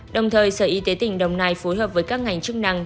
đồng thời sở y tế tỉnh đồng nai phối hợp với các ngành chức năng